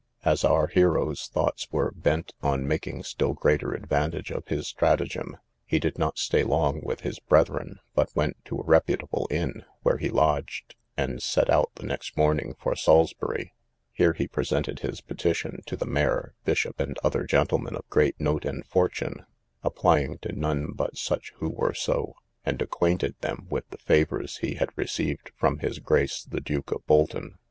As our hero's thoughts were bent on making still greater advantage of his stratagem, he did not stay long with his brethren, but went to a reputable inn, where he lodged, and set out the next morning for Salisbury; here he presented his petition to the mayor, bishop, and other gentlemen of great note and fortune, (applying to none but such who were so,) and acquainted them with the favours he had received from his grace the Duke of Bolton.